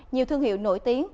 nhiều thương hiệu nổi tiếng